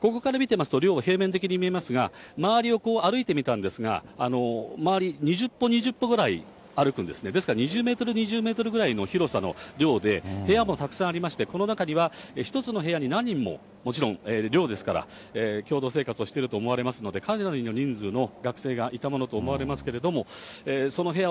ここから見ていますと、寮は平面的に見えますが、周りを歩いてみたんですが、周り、２０歩、２０歩くらい歩くんですね、ですから２０メートル・２０メートルぐらいの広さの寮で、部屋もたくさんありまして、この中には一つの部屋に何人ももちろん、寮ですから共同生活をしていると思われますので、かなりの人数の学生がいたものと思われますけれども、その部屋を